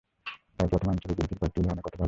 তাই প্রথম এনট্রপি বৃদ্ধির কয়েকটি উদাহরণের কথা ভাবি।